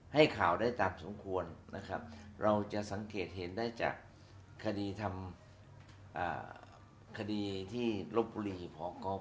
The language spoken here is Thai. ให้ข่าวได้ตามสมควรนะครับ